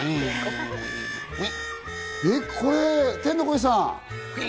これ、天の声さん。